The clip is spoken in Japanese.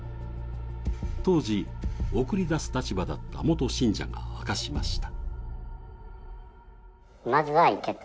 当時、送り出す立場だった元信者が明かしました。